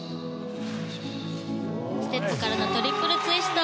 ステップからのトリプルツイスト。